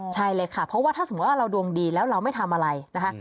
ใช่เลยค่ะเพราะว่าถ้าสมมุติว่าเราดวงดีแล้วเราไม่ทำอะไรนะคะ